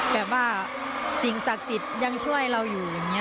แบบว่าสิ่งศักดิ์สิทธิ์ยังช่วยเราอยู่อย่างนี้